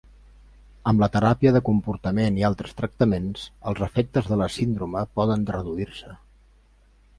Amb la teràpia de comportament i altres tractaments, els efectes de la síndrome poden reduir-se.